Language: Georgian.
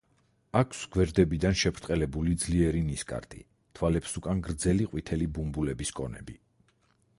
აქვს გვერდებიდან შებრტყელებული ძლიერი ნისკარტი, თვალებს უკან გრძელი ყვითელი ბუმბულების კონები.